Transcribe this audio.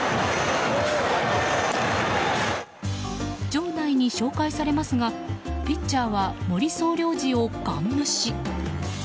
場内に紹介されますがピッチャーは森総領事をガン無視。